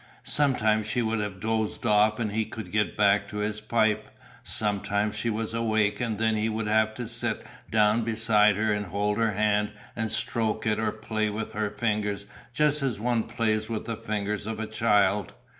Sometimes she would have dozed off and he could get back to his pipe, sometimes she was awake and then he would have to sit down beside her and hold her hand and stroke it or play with her fingers just as one plays with the fingers of a child.